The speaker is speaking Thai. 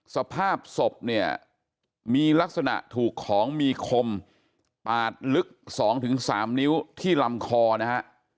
สภาพศพเนี่ยมีลักษณะถูกของมีคมปาดลึก๒๓นิ้วที่ลำคอนะฮะ